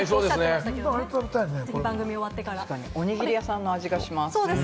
確かに、おにぎり屋さんの味がします。